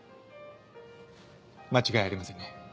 間違いありませんね。